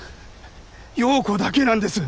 葉子だけなんです